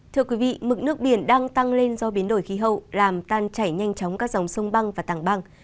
thưa quý vị mực nước biển đang tăng lên do biến đổi khí hậu làm tan chảy nhanh chóng các dòng sông băng và tàng băng